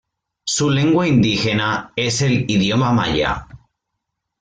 Su lengua indígena es el idioma maya.